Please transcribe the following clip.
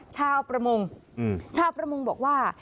ชาวประมงชาวประมงบอกว่า